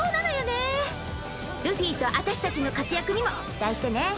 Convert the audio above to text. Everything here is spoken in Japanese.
ルフィと私たちの活躍にも期待してね。